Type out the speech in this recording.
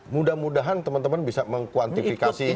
mudah mudahan teman teman bisa mengkuantifikasinya ini